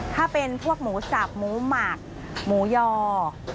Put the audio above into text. ถ้าเป็นพวกหมูสับหมูหมักหมูยอ